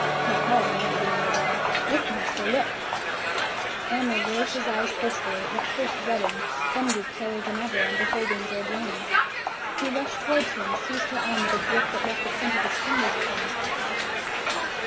"Ho! ho!" mumbled Aminadab. "Look, master! look!" Aylmer raised his eyes hastily, and at first reddened, then grew paler than ever, on beholding Georgiana. He rushed towards her and seized her arm with a gripe that left the print of his fingers upon it.